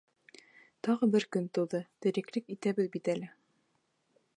— Тағы бер көн тыуҙы, тереклек итәбеҙ бит әле.